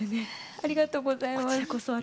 ありがとうございます。